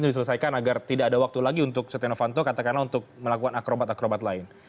itu diselesaikan agar tidak ada waktu lagi untuk setia novanto katakanlah untuk melakukan akrobat akrobat lain